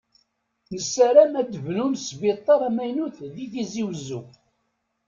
Nessaram ad bnun sbitaṛ amaynut di tizi wezzu.